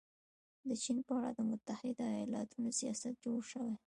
د چین په اړه د متحده ایالتونو سیاست جوړ شوی.